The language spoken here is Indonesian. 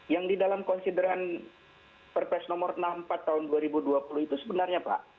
yang di dalam konsideran perpres nomor enam puluh empat tahun dua ribu dua puluh itu sebenarnya pak